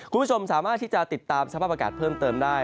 คุณผู้ชมสามารถที่จะติดตามสภาพอากาศเพิ่มเติมได้